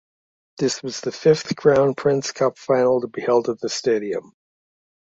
This was the fifth Crown Prince Cup final to be held at the stadium.